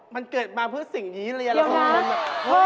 มันเกิดมาเพื่อสิ่งนี้เลยอย่างนั้นเหรอนะ